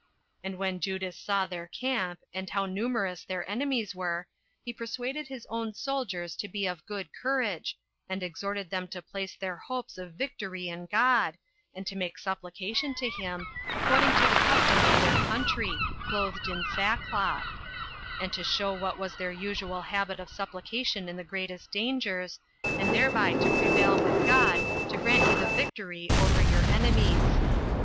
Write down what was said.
And when Judas saw their camp, and how numerous their enemies were, he persuaded his own soldiers to be of good courage, and exhorted them to place their hopes of victory in God, and to make supplication to him, according to the custom of their country, clothed in sackcloth; and to show what was their usual habit of supplication in the greatest dangers, and thereby to prevail with God to grant you the victory over your enemies.